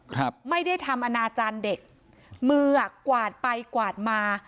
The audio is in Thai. ครับไม่ได้ทำอนาจารย์เด็กมืออ่ะกวาดไปกวาดมา